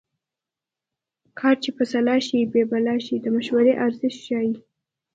کار چې په سلا شي بې بلا شي د مشورې ارزښت ښيي